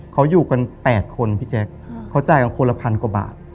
เขาอยู่กัน๘คนพี่แจ๊คเขาจ่ายกันคนละพันกว่าบาท